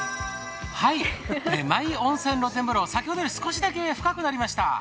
マイ温泉露天風呂、先ほどより少しだけ深くなりました。